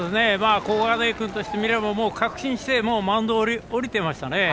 小金井くんとしてみれば確信してマウンドを降りていましたね。